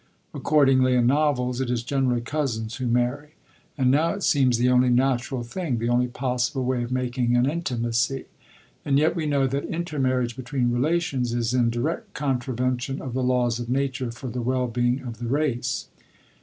Accordingly in novels it is generally cousins who marry; and now it seems the only natural thing, the only possible way of making an intimacy. And yet we know that intermarriage between relations is in direct contravention of the laws of nature for the well being of the race."